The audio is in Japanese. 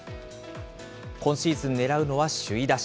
今シーズン狙うのは首位打者。